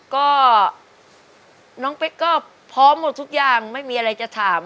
ก็น้องเป๊กก็พร้อมหมดทุกอย่างไม่มีอะไรจะถาม